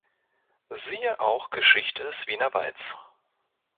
Siehe auch Geschichte des Wienerwalds.